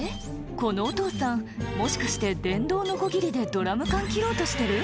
このお父さんもしかして電動のこぎりでドラム缶切ろうとしてる？